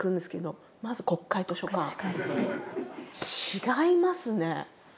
違いますね。